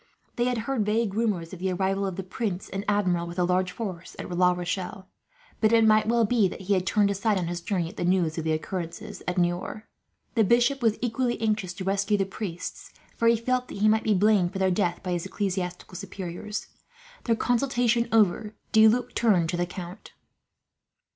They had heard vague rumours of the arrival of the prince and Admiral, with a large force, at La Rochelle; but it might well be that he had turned aside on his journey, at the news of the occurrences at Niort. The bishop was equally anxious to rescue the priests, for he felt that he might be blamed for their death by his ecclesiastical superiors. Their consultation over, de Luc turned to the Count.